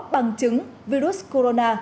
bằng chứng virus corona